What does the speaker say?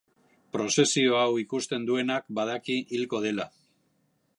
Prozesio hau ikusten duenak badaki hilko dela.